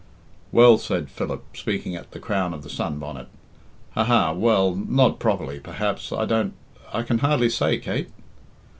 "Well," said Philip, speaking at the crown of the sun bonnet. "Ha! ha! well, not properly perhaps I don't I can hardly say, Kate."